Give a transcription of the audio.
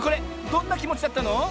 どんなきもちだったの？